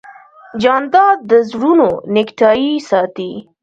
جانداد د زړونو نېکتایي ساتي.